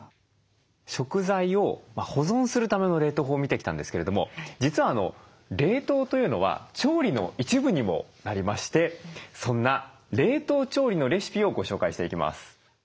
食材を保存するための冷凍法を見てきたんですけれども実は冷凍というのは調理の一部にもなりましてそんな冷凍調理のレシピをご紹介していきます。